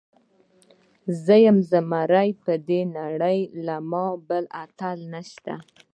زۀ يم زمری پر دې نړۍ له ما اتل نيشته